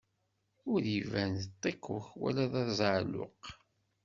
Ur iban d ṭikkuk, wala d aẓaɛluk.